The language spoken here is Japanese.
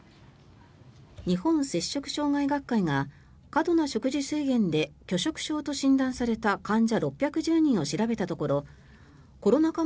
日本摂食障害学会が過度な食事制限で拒食症と診断された患者６１０人を調べたところコロナ禍